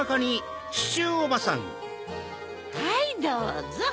はいどうぞ！